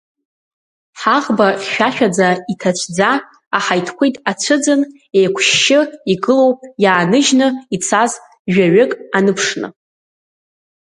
Ҳаӷба хьшәашәаӡа, иҭацәӡа, аҳаиҭқәиҭ ацәыӡын, еиқәшьшьы игылоуп иааныжьны ицаз жәаҩык аныԥшны.